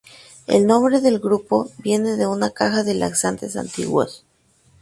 El nombre del grupo, viene de una caja de laxantes antiguos.